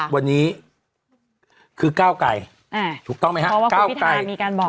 วันนี้คือก้าวไก่ถูกต้องไหมฮะเพราะว่าคุณพิธามีการบอกว่า